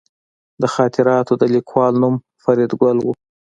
د خاطراتو د لیکوال نوم فریدګل و